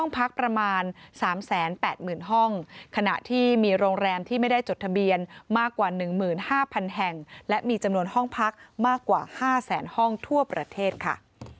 พักประมาณ๓๘๐๐๐ห้องขณะที่มีโรงแรมที่ไม่ได้จดทะเบียนมากกว่า๑๕๐๐๐แห่งและมีจำนวนห้องพักมากกว่า๕แสนห้องทั่วประเทศค่ะ